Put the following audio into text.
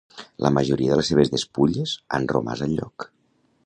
La majoria de les seves despulles han romàs al lloc.